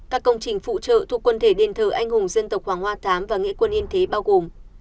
các công trình phụ trợ thuộc quân thể đền thờ anh hùng dân tộc hoàng hoa thám và nghĩa quân yên thế bao gồm